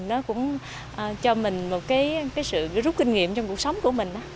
nó cũng cho mình một cái sự rút kinh nghiệm trong cuộc sống của mình